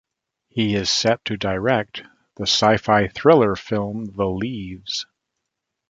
He is set to direct the sci-fi thriller film "The Leaves".